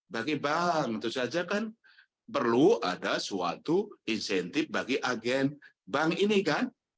bagi bank tentu saja kan perlu ada suatu insentif bagi agen bank ini kan